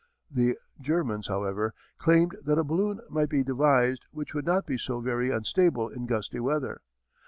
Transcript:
The Germans, however, claimed that a balloon might be devised which would not be so very unstable in gusty weather.